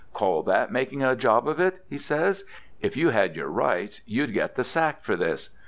'Call that making a job of it?' he says. 'If you had your rights you'd get the sack for this.